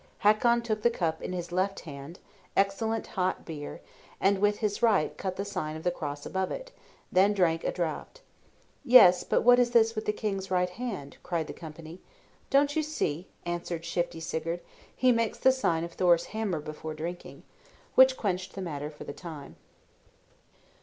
Hakon took the cup in his left hand (excellent hot beer), and with his right cut the sign of the cross above it, then drank a draught. "Yes; but what is this with the king's right hand?" cried the company. "Don't you see?" answered shifty Sigurd; "he makes the sign of Thor's hammer before drinking!" which quenched the matter for the time.